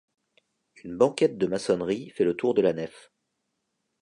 Une banquette de maçonnerie fait le tour de la nef.